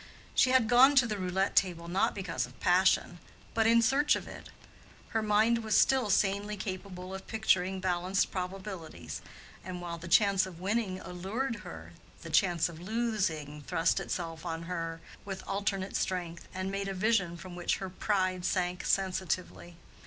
She had gone to the roulette table not because of passion, but in search of it: her mind was still sanely capable of picturing balanced probabilities, and while the chance of winning allured her, the chance of losing thrust itself on her with alternate strength and made a vision from which her pride sank sensitively.